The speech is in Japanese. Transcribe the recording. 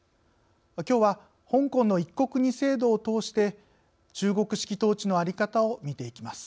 きょうは香港の「一国二制度」を通して中国式統治の在り方を見ていきます。